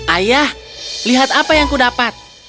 ayah lihat apa yang aku dapat